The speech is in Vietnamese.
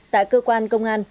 tại cơ quan công an